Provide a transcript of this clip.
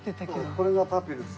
これがパピルス。